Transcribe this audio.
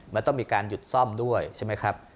มันต้องมีการหยุดซ่อมด้วยใช่ไหมครับ